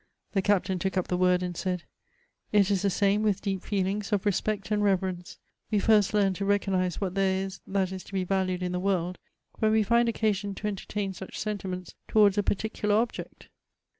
The Captain took up the word, and said, " It is the same with deep feelings of respect and reverence ; we first learn to recognize what there is that is to be valued in the world, when we find occasion to entertain such senti ments towards a particular object."